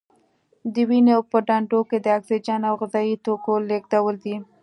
د وینې په دندو کې د اکسیجن او غذايي توکو لیږدول دي.